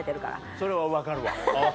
それは分かるわ。